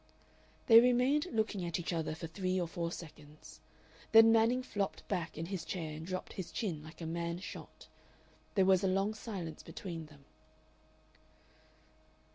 They remained looking at each other for three or four seconds. Then Manning flopped back in his chair and dropped his chin like a man shot. There was a long silence between them.